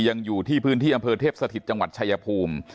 ยังอยู่ที่พื้นที่อำเภอเทพสถิตจังหวัดชายภูมิ